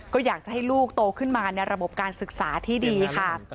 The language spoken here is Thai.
ก็อยากจะให้ลูกโตขึ้นมาในระบบการศึกษาที่ดีค่ะ